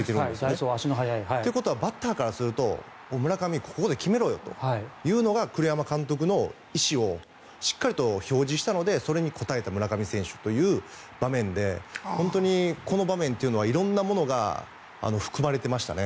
代走、足の速い。ということはバッターからすると村上、ここで決めろよと栗山監督の意思をしっかりと表示したのでそれに応えた村上選手という場面でこの場面というのは色んなものが含まれてましたね。